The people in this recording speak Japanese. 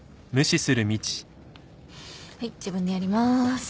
はい自分でやります。